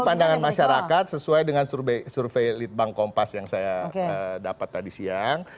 pandangan masyarakat sesuai dengan survei litbang kompas yang saya dapat tadi siang